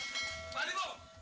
tidak tahu diri